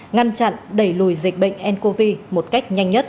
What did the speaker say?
ngăn chặn đẩy lùi dịch bệnh ncov một cách nhanh nhất